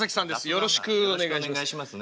よろしくお願いします。